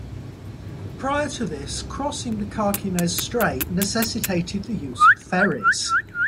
Prior to this, crossing the Carquinez Strait necessitated the use of ferries.